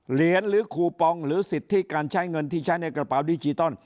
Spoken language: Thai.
หรือคูปองหรือสิทธิการใช้เงินที่ใช้ในกระเป๋าดิจิตอล